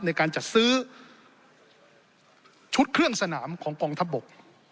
ในการจัดซื้อชุดเครื่องสนามของกองทัพบก